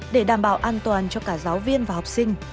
để đảm bảo an toàn cho cả giáo viên và học sinh